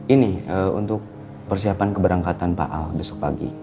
ini untuk persiapan keberangkatan pak al besok pagi